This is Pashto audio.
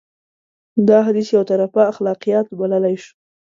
دا حديث يو طرفه اخلاقيات بللی شو.